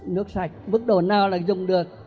nước sạch mức độ nào là dùng được